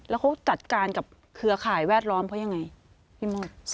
แล้วเขาจัดการกับเครือข่ายแวดล้อมเขายังไงพี่มด